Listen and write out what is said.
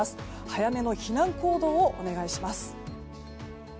早めの避難行動をお願いします。